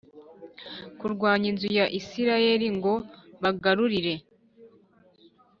kurwanya inzu ya Isirayeli ngo bagarurire